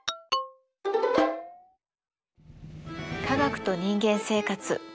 「科学と人間生活」。